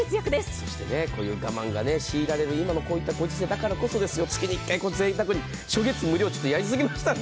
そして我慢が強いられるこういうご時世だからこそ、月に１回、ぜいたくに、初月無料はやりすぎましたね。